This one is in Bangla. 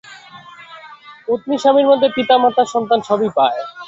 পত্নী স্বামীর মধ্যে পিতা মাতা, সন্তান সবই পায়।